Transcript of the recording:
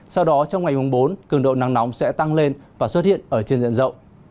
sau đó trong ngày mùng bốn cường độ nắng nóng sẽ tăng lên và xuất hiện ở trên diện rộng